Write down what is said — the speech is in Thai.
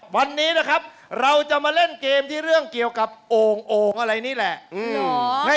วันนี้นะครับเราจะมาเล่นเกมที่เรื่องเกี่ยวกับโอ่งโอ่งอะไรนี่แหละ